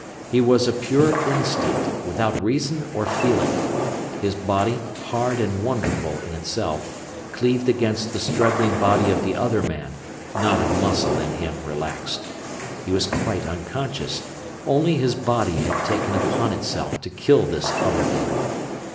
He was a pure instinct, without reason or feeling. His body, hard and wonderful in itself, cleaved against the struggling body of the other man; not a muscle in him relaxed. He was quite unconscious, only his body had taken upon itself to kill this other man.